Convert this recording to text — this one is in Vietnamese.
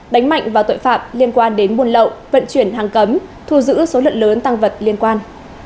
đánh mạnh vào tội phạm liên quan đến buôn lậu vận chuyển hàng cấm thu giữ số lượng lớn tăng vật liên quan